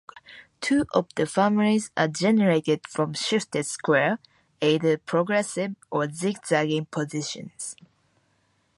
Two of the families are generated from shifted square, either progressive or zig-zagging positions.